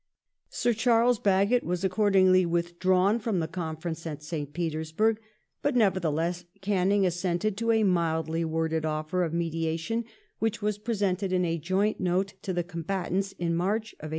Sir Charles Bagot was accord ingly withdrawn from the conference at St. Petei sburg, but never theless Canning sissented to a mildly worded offer of mediation, which was presented in a joint note to the combatants in March, 1825.